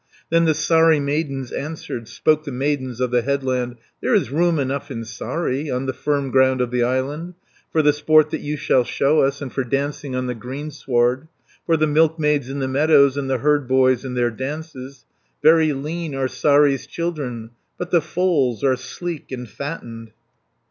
Then the Saari maidens answered, Spoke the maidens of the headland: "There is room enough in Saari, On the firm ground of the island, For the sport that you shall show us, And for dancing on the greensward, For the milkmaids in the meadows, And the herd boys in their dances; 140 Very lean are Saari's children, But the foals are sleek and fattened."